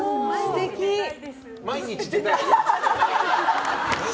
毎日出たい？